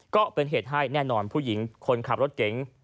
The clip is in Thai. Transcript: ก็เป็นเหตุให้แน่นอนผู้หญิงคนขับรถเก๋ง